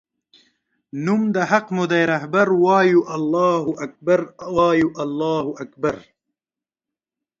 نوم د حق مودی رهبر وایو الله اکبر وایو الله اکبر